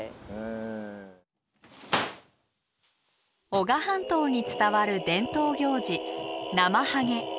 男鹿半島に伝わる伝統行事「ナマハゲ」。